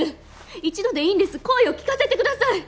一度でいいんです声を聞かせてください！